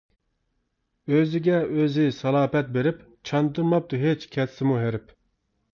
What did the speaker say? ئۆزىگە ئۆزى، سالاپەت بېرىپ، چاندۇرماپتۇ ھېچ، كەتسىمۇ ھېرىپ.